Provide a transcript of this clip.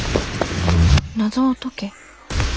「謎を解け」。